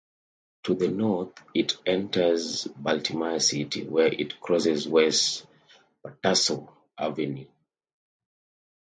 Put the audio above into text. To the north it enters Baltimore City, where it crosses West Patapsco Avenue.